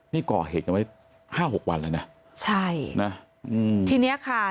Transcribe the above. นี่ก่อเหตุกันไว้ห้าหกวันแล้วนะใช่นะอืมทีเนี้ยค่ะ